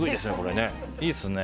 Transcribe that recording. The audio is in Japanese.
いいですね。